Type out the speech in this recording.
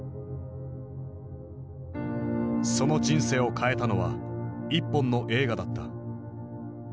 その人生を変えたのは一本の映画だった。